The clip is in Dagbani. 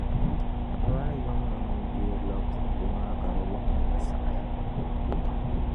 Paɣ’ maa yiŋnim’ mi deerila puhigu maa ka di wuhi ni bɛ saɣiya.